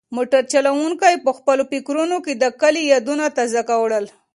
موټر چلونکي په خپلو فکرونو کې د کلي یادونه تازه کړل.